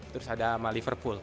terus ada sama liverpool